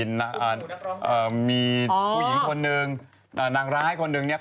มีผู้หญิงคนหนึ่งนางร้ายคนหนึ่งเนี่ย